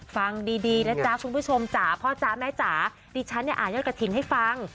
ฟังดีนะจ๊ะคุณผู้ชมจ๊ะพ่อจ๊ะไหมจ๊ะดิฉันอ่านยอดกระถิ่นให้ฟัง